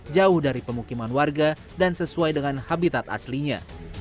jauh dari pemukiman warga dan sesuai dengan habitat aslinya